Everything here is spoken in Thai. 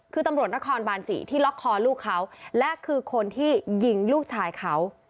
คือตำรวจนครบาน๔ที่ล็อกคอลูกเขาและคือคนที่ยิงลูกชายเขา